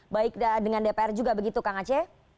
baik dengan dpr juga begitu kang aceh